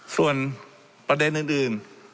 ส่วนประเด็นนึง